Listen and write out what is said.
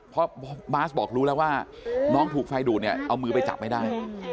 เพราะบาสบอกรู้แล้วว่าน้องถูกไฟดูดเนี่ยเอามือไปจับไม่ได้